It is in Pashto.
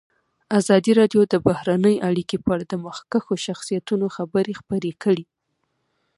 ازادي راډیو د بهرنۍ اړیکې په اړه د مخکښو شخصیتونو خبرې خپرې کړي.